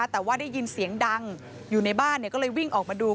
แต่ว่าได้ยินเสียงดังอยู่ในบ้านก็เลยวิ่งออกมาดู